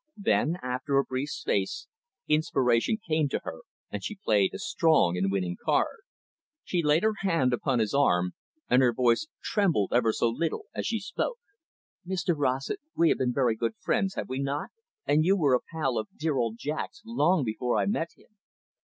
Then, after a brief space, inspiration came to her, and she played a strong and winning card. She laid her hand upon his arm, and her voice trembled ever so little as she spoke. "Mr Rossett, we have been very good friends, have we not? And you were a pal of dear old Jack's long before I met him."